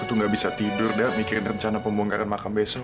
aku tuh gak bisa tidur dah mikirin rencana pembongkaran makam besok